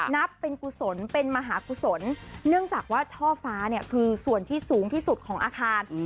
นับเป็นกุศลเป็นมหากุศลเนื่องจากว่าช่อฟ้าเนี่ยคือส่วนที่สูงที่สุดของอาคาร